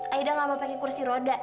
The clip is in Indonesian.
akhirnya gak mau pakai kursi roda